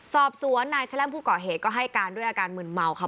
สอบสวนนายแร่มผู้ก่อเหตุก็ให้การด้วยอาการมืนเมาค่ะ